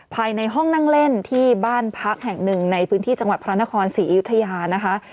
ภายในห้องนั่งเล่นที่บ้านพักแห่งหนึ่งในพื้นที่จังหวัดพระนครศรีอยุธยานะคะ